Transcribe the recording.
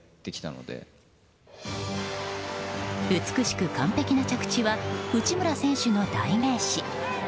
美しく完璧な着地は内村選手の代名詞。